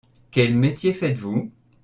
Quel métier faites-vous ?